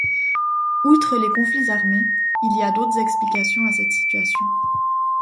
Outre les conflits armés, il y a d'autres explications à cette situation.